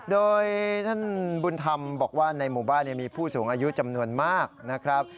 โดยท่านบุญธรรมบอกว่าในหมู่บ้านมีผู้สูงอายุจำนวนมากนะครับ